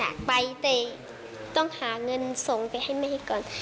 อยากไปแต่ต้องหาเงินส่งไปให้แม่ก่อน